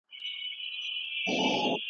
موسی جان او ګل مکۍ د پښتنو د مینو کیسې دي.